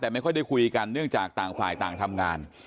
แต่ไม่ค่อยได้คุยกันเนื่องจากต่างฝ่ายต่างทำงาน